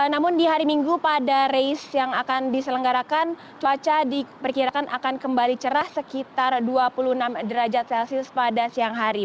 namun di hari minggu pada race yang akan diselenggarakan cuaca diperkirakan akan kembali cerah sekitar dua puluh enam derajat celcius pada siang hari